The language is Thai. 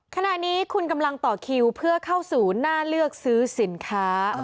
ขณะนี้คุณกำลังต่อคิวเพื่อเข้าสู่หน้าเลือกซื้อสินค้า